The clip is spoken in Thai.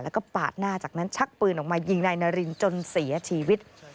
แล้วก็ปาดหน้าจากนั้นชักปืนออกมายิงนายนารินจนเสียชีวิต